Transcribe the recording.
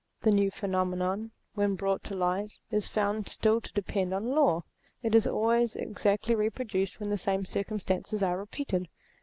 The new phenomenon, when brought to light, is found still to depend on law ; it is always exactly reproduced when the same circum stances are repeated.